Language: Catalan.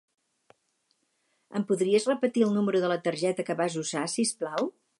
Em podries repetir el número de la targeta que vas usar, si us plau?